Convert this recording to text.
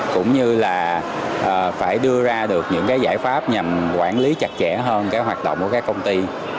cũng như là phải đưa ra được những cái giải pháp nhằm quản lý chặt chẽ hơn cái hoạt động của các công ty